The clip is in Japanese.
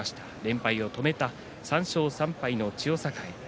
連敗を止めた３勝３敗の千代栄。